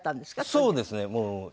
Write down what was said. そうですね。